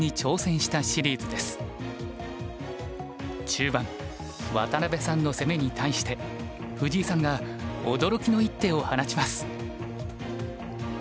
中盤渡辺さんの攻めに対して藤井さんが驚きの一手を放ちます。